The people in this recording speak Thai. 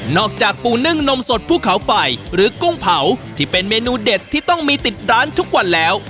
จากปูนึ่งนมสดภูเขาไฟหรือกุ้งเผาที่เป็นเมนูเด็ดที่ต้องมีติดร้านทุกวันแล้ว